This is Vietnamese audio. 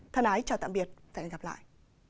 thân ái chào tạm biệt hẹn gặp lại